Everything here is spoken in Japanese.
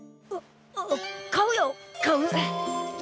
あ買うよ買う。